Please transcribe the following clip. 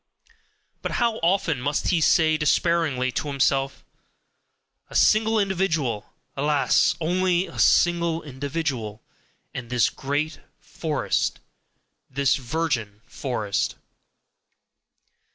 But how often must he say despairingly to himself: "A single individual! alas, only a single individual! and this great forest, this virgin forest!"